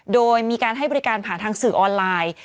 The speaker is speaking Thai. โดยมีการให้บริการผ่านทางสื่อออนไลน์